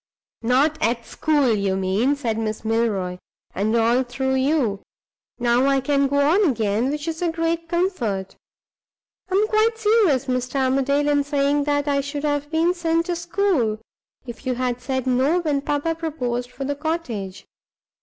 "Not at school, you mean," said Miss Milroy; "and all through you. Now I can go on again, which is a great comfort. I am quite serious, Mr. Armadale, in saying that I should have been sent to school, if you had said No when papa proposed for the cottage.